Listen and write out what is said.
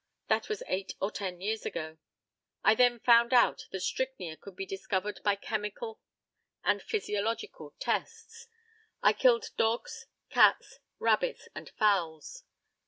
That was eight or ten years ago. I then found out that strychnia could be discovered by chemical and physiological tests. I killed dogs, cats, rabbits, and fowls.